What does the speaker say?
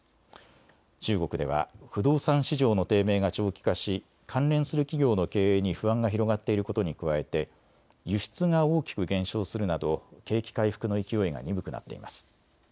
中国では不動産市場の低迷が長期化し関連する企業の経営に不安が広がっていることに加えて輸出が大きく減少するなど景気回復の勢いが鈍くなっています。